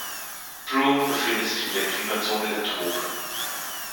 Broome befindet sich in der Klimazone der Tropen.